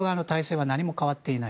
中国側の体制は何も変わっていない。